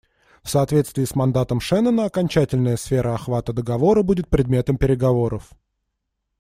В соответствии с мандатом Шеннона окончательная сфера охвата договора будет предметом переговоров.